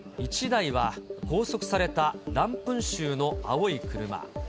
１台は拘束されたランプン州の青い車。